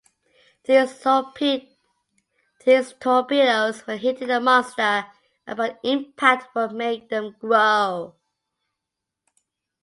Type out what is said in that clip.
These torpedoes when hitting the monster upon impact would make them grow.